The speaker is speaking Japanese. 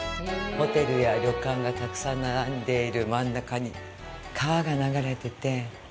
ホテルや旅館がたくさん並んでいる真ん中に川が流れてて。